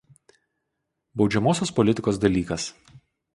Baudžiamosios politikos dalykas.